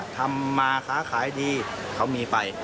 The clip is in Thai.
ทำมาค้าขายดีเขามีไฟ